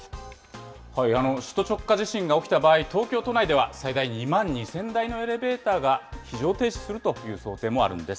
首都直下地震が起きた場合、東京都内では最大２万２０００台のエレベーターが非常停止するという想定もあるんです。